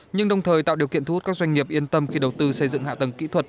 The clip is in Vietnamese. nhưng đồng thời tạo điều kiện thu hút các doanh nghiệp yên tâm khi đầu tư xây dựng hạ tầng kỹ thuật